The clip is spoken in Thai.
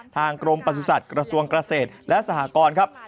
ทางกรมประสุทธิ์กระทรวงเกษตรและสหกรครับ